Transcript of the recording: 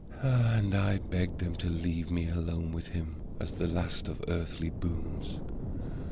And I begged them to leave me alone with him as the last of earthly boons.